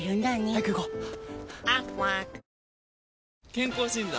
健康診断？